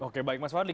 oke baik mas fadli